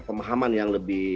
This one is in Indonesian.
pemahaman yang lebih